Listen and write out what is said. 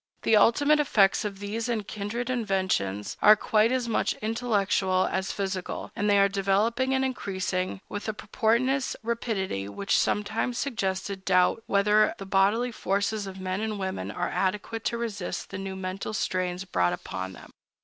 The ultimate effects of these and kindred inventions are quite as much intellectual as physical, and they are developing and increasing with a portentous rapidity which sometimes suggests a doubt whether the bodily forces of men and women are adequate to resist the new mental strains brought upon them.